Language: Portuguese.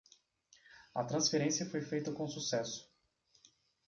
A transferência foi feita com sucesso